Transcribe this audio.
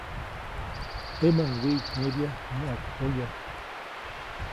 Temäʼuŋ wiʼtnyebya näʼakpoya.